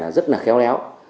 rất là khéo léo